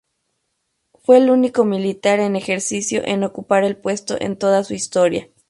Fue el único militar en ejercicio en ocupar el puesto en toda su historia.